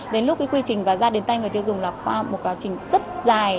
đến lúc cái quy trình và ra đến tay người tiêu dùng là qua một quá trình rất dài